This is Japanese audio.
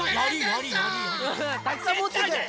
たくさんもってくる！